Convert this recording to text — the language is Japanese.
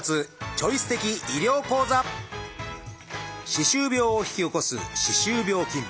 歯周病を引き起こす歯周病菌。